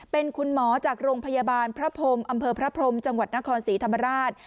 เป็นคุณหมอจากโรงพยาบาลพระพรมอำเภอพระพรมจังหวัดนครศรีธรรมราช